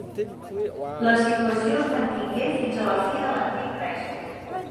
La situació es mantingué fins a la fi de l’antic règim.